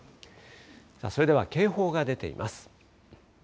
それでは警報が出ています。